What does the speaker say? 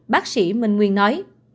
bác sĩ minh nguyên nói